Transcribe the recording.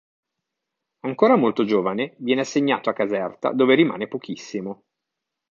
Ancora molto giovane viene assegnato a Caserta dove rimane pochissimo.